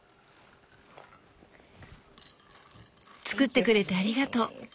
作ってくれてありがとう。